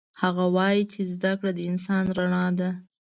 هغه وایي چې زده کړه د انسان رڼا ده